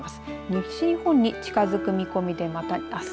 西日本に近づく見込みでまたあす